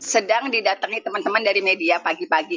sedang didatangi teman teman dari media pagi pagi